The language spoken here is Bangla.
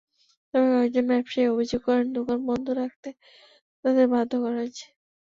তবে কয়েকজন ব্যবসায়ী অভিযোগ করেন, দোকান বন্ধ রাখতে তাঁদের বাধ্য করা হয়েছে।